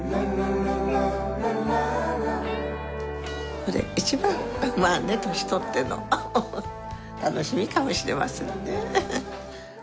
これ一番年取っての楽しみかもしれませんね。